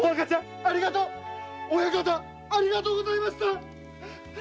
親方ありがとうございました。